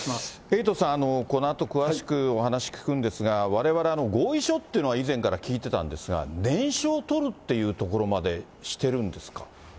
エイトさん、このあと詳しくお話聞くんですが、われわれ、合意書っていうのは以前から聞いてたんですが、念書を取るっていうところまでしてるんですか？